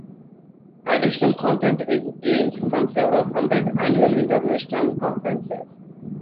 Additional content is gleaned from several hundred annual international conferences.